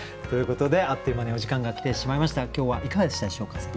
ということであっという間にお時間が来てしまいましたが今日はいかがでしたでしょうか？